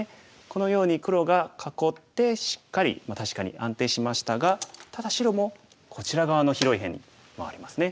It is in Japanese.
このように黒が囲ってしっかり確かに安定しましたがただ白もこちら側の広い辺に回りますね。